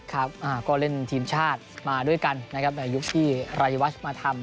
ครับก็เล่นทีมชาติมาด้วยกันนะครับในยุคที่รายวัชมาทำ